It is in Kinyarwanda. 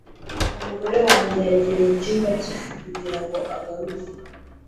Umugore wanjye yagiye mucyumba cyifu kugirango agarure.